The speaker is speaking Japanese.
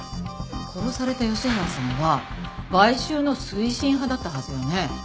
殺された吉村さんは買収の推進派だったはずよね？